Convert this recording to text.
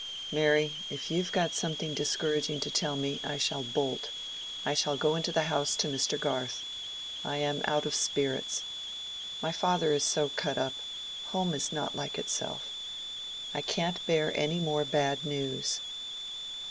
"Mary, if you've got something discouraging to tell me, I shall bolt; I shall go into the house to Mr. Garth. I am out of spirits. My father is so cut up—home is not like itself. I can't bear any more bad news."